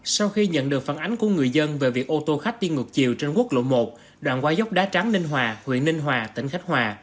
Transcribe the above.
sau khi nhận được phản ánh của người dân về việc ô tô khách đi ngược chiều trên quốc lộ một đoạn qua dốc đá trắng ninh hòa huyện ninh hòa tỉnh khách hòa